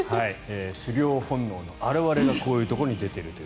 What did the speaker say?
狩猟本能の表れがこういうところに出ていると。